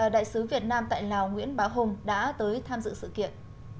đại sứ việt nam tại lào nguyễn bá hùng đã tới tham dự sự kiện